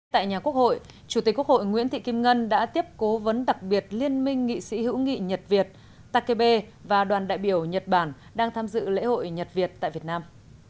tại nhà quốc hội chủ tịch quốc hội nguyễn thị kim ngân đã tiếp cố vấn đặc biệt liên minh nghị sĩ hữu nghị nhật việt takebe và đoàn đại biểu nhật bản đang tham dự lễ hội nhật việt tại việt nam